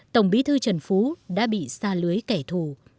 tổng bí thư trần phú đã bị xa lưới kẻ thù